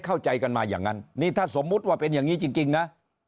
เข้าใจกันมาอย่างนั้นนี่ถ้าสมมุติว่าเป็นอย่างนี้จริงนะ